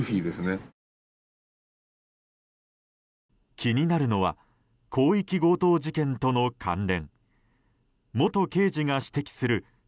気になるのは広域強盗事件との関連。